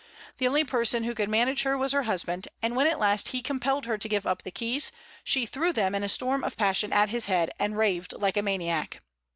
The only person who could manage her was her husband; and when at last he compelled her to give up the keys, she threw them in a storm of passion at his head, and raved like a maniac.